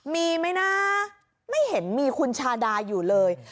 มีไหมนะไม่เห็นมีคุณชาดาอยู่เลย